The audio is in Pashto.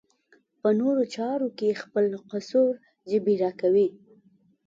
په نورو چارو کې خپل قصور جبېره کوي.